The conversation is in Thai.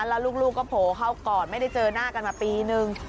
แล้วลูกก็โผล่เข้ากอดไม่ได้เจอหน้ากันมาปีนึง